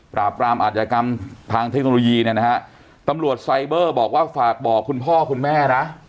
ปรามอาธิกรรมทางเทคโนโลยีเนี่ยนะฮะตำรวจไซเบอร์บอกว่าฝากบอกคุณพ่อคุณแม่นะ